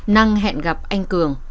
năng hẹn gặp anh cường